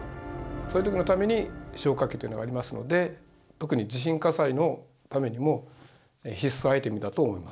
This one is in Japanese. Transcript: そういう時のために消火器というものがありますので特に地震火災のためにも必須アイテムだと思います。